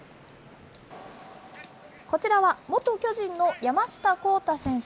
こちらは元巨人の山下航汰選手。